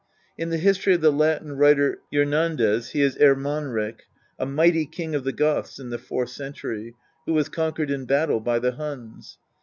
In the history ol the Latin writer Jornandes he is Ermanric, a mighty king of the Goths in the fourth century, who was conquered in battle by the Huns.